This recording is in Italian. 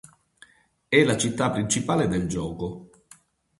È la città principale del gioco.